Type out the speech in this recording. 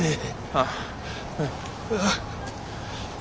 ああ。